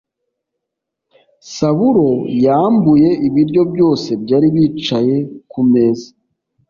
saburo yambuye ibiryo byose byari bicaye kumeza